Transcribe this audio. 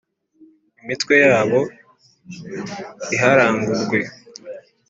imitwe yabo iharangurwe.